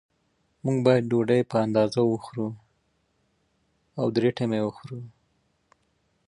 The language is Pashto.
وچه ډوډۍ د خوراک پر مهال پر روغتیا اغېز لري.